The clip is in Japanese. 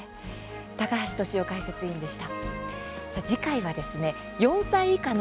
高橋俊雄解説委員でした。